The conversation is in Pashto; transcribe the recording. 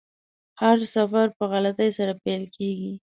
هر سفر په غلطۍ سره پیل کیږي.